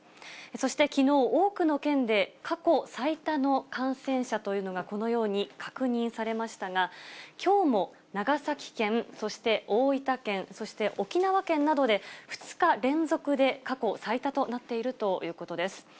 そしてきのう、多くの県で過去最多の感染者というのが、このように確認されましたが、きょうも長崎県、そして大分県、そして沖縄県などで、２日連続で過去最多となっているということです。